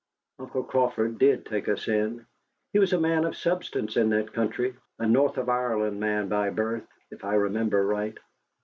Uncle Crawford did take us in. He was a man of substance in that country, a north of Ireland man by birth, if I remember right.